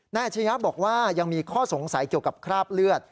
อาชญะบอกว่ายังมีข้อสงสัยเกี่ยวกับคราบเลือด